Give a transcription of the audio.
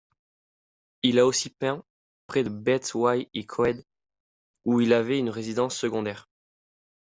Il a aussi peint près de Bettwys-y-Coed, où il avait une résidence secondaire.